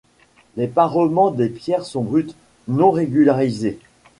Les parements des pierres sont bruts, non régularisés.